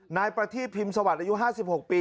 นายประทีพพิมพ์สวัสดิ์อายุ๕๖ปี